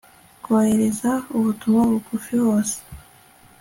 bohereza ubutumwa bugufi hose